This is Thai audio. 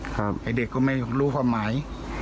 ไกล่อยู่เด็กก็ไม่รู้ความหมาย